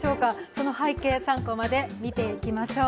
その背景、３コマで見ていきましょう。